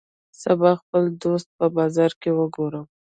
سبا به خپل دوست په بازار کی وګورم